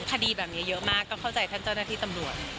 คดีแบบนี้เยอะมากก็เข้าใจท่านเจ้าหน้าที่ตำรวจ